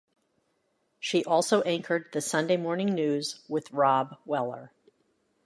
She also anchored the Sunday morning news with Robb Weller.